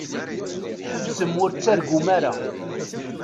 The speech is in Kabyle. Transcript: Ḥebsem ur ttargum ara.